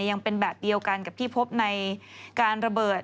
ยังเป็นแบบเดียวกันกับที่พบในการระเบิด